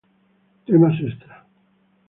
Temas extra